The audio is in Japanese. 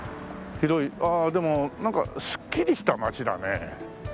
ああでもなんかすっきりした街だね。